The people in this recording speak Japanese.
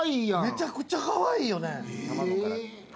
めちゃくちゃかわいいよね。